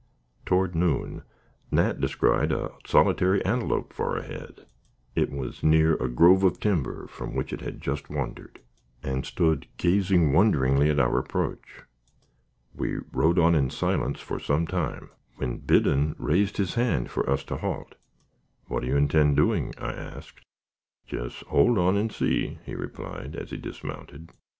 Toward noon, Nat descried a solitary antelope far ahead. It was near a grove of timber, from which it had just wandered, and stood gazing wonderingly at our approach. We rode on in silence for some time, when Biddon raised his hand for us to halt. "What do you intend doing?" I asked. "Jes' hold on and see," he replied, as he dismounted.